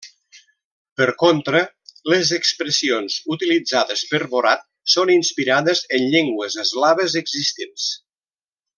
Per contra, les expressions utilitzades per Borat són inspirades en llengües eslaves existents.